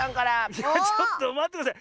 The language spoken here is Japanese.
ちょっとまってください。